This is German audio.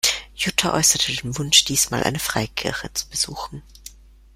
Jutta äußerte den Wunsch, diesmal eine Freikirche zu besuchen.